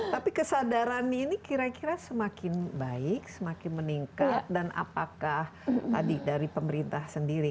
tapi kesadaran ini kira kira semakin baik semakin meningkat dan apakah tadi dari pemerintah sendiri